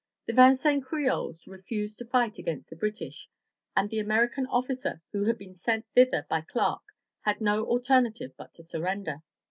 The Vincennes Creoles refused to fight against the British, and the American officer who had been sent thither by Clark had no alter native but to surrender.